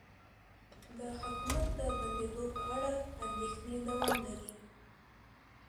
د حکومت د بندیدو په اړه اندیښنې دوام لري